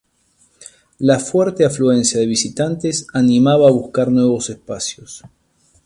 La fuerte afluencia de visitantes animaba a buscar nuevos espacios.